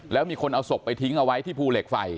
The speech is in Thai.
แล้วมีคนเอาศพไปทิ้งเอาไว้ที่ภูเหล็กไฟ